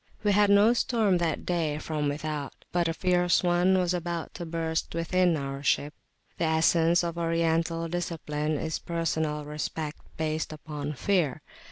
We had no storm that day from without, but a fierce one was about to burst within our ship. The essence of Oriental discipline is personal respect based upon fear.